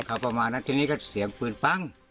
เขาประมาณนั้นทีนี้ก็เสียงปืนปั้ง